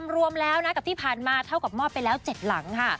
รวมแล้วนะกับที่ผ่านมาเท่ากับมอบไปแล้ว๗หลังค่ะ